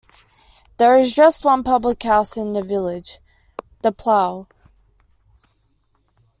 There is just one public house in the village, the Plough.